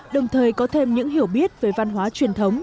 đồng thời có thêm những hiểu biết về văn hóa truyền thống